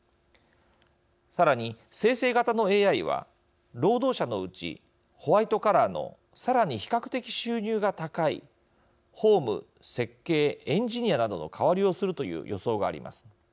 さらに生成型のＡＩは労働者のうちホワイトカラーのさらに比較的収入が高い法務設計エンジニアなどの代わりをするという予想があります。